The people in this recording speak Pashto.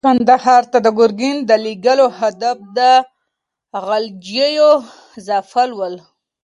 کندهار ته د ګورګین د لېږلو هدف د غلجیو ځپل ول.